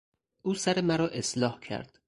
او سر مرا اصلاح کرد.